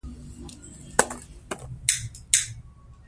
ماشومان له خپلو همزولو سره لوبې کوي.